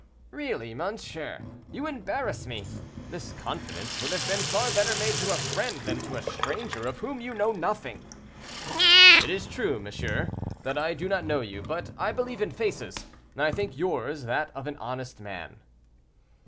"Really, monsieur, you embarrass me. This confidence would have been far better made to a friend than to a stranger of whom you know nothing." "It is true, monsieur, that I do not know you; but I believe in faces, and I think yours that of an honest man."